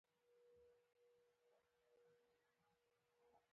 🇦🇫 تور سور زرغون ملي بیرغ